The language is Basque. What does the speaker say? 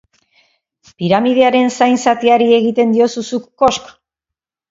Piramidearen zain zatiari egiten diozu zuk kosk?